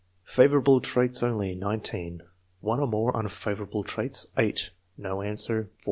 Favorable traits only, 19; one or more unfavor able traits, 8; no answer, 4.